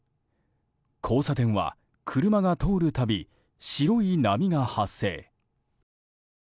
交差点は車が通るたび白い波が発生。